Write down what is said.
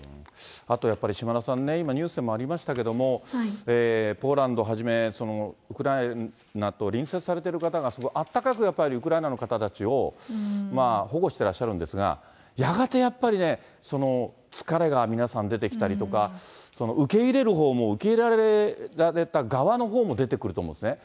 あとやっぱり、島田さんね、ニュースでもありましたけど、ポーランドはじめ、ウクライナと隣接されてる方が、すごいあったかくウクライナの方たちを保護してらっしゃるんですが、やがてやっぱりね、疲れが皆さん出てきたりとか、受け入れるほうも受け入れられた方のほうも出てくると思うんですね。